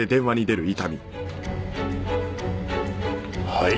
はい。